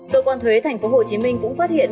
tổ quan thuế tp hcm cũng phát hiện